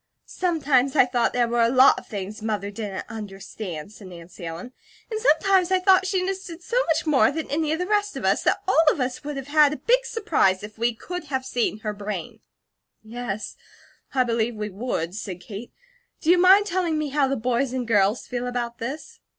"Sometimes I thought there were a lot of things Mother didn't understand," said Nancy Ellen, "and sometimes I thought she understood so much more than any of the rest of us, that all of us would have had a big surprise if we could have seen her brain." "Yes, I believe we would," said Kate. "Do you mind telling me how the boys and girls feel about this?"